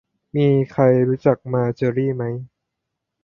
มีใครรู้จักมาเจอรี่ไหม